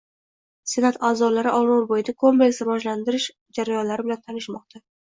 Senat a’zolari orolbo‘yini kompleks rivojlantirish jarayonlari bilan tanishmoqda